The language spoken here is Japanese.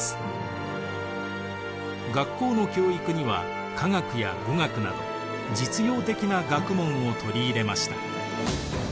学校の教育には科学や語学など実用的な学問を取り入れました。